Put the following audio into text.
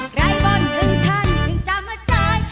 ใครบนถึงฉันถึงจำชาย